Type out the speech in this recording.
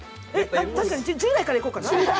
確かに、従来からいこうかな。